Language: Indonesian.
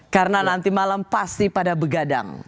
karena nanti malam pasti pada begadang